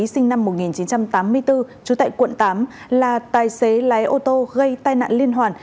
sinh năm một nghìn chín trăm tám mươi bốn trú tại quận tám là tài xế lái ô tô gây tai nạn liên hoàn